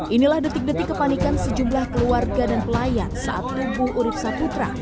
inilah detik detik kepanikan sejumlah keluarga dan pelayan saat tumbuh urib saputra